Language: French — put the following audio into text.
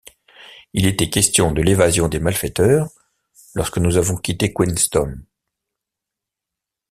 Il était question de l’évasion des malfaiteurs, lorsque nous avons quitté Queenstown...